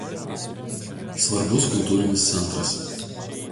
Svarbus kultūrinis centras.